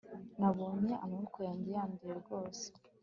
nabonye amaboko yanjye yanduye rwose